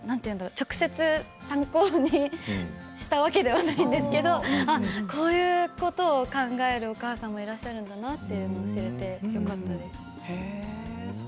直接、参考にしたわけではないんですけれどこういうことを考えるお母さんもいらっしゃるんだなということが知れてよかったです。